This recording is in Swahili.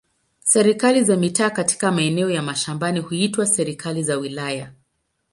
Serikali za mitaa katika maeneo ya mashambani huitwa serikali za wilaya.